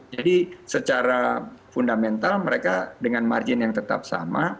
jadi secara fundamental mereka dengan margin yang tetap sama